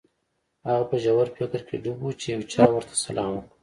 هغه په ژور فکر کې ډوب و چې یو چا ورته سلام وکړ